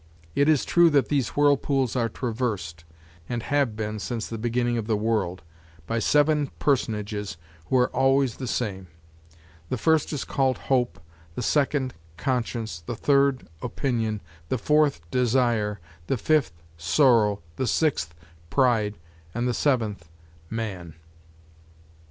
It is true that these whirlpools are traversed, and have been since the beginning of the world, by seven personages who are always the same: the first is called hope; the second, conscience; the third, opinion; the fourth, desire; the fifth, sorrow; the sixth, pride; and the seventh, man.